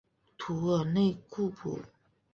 图尔内库普。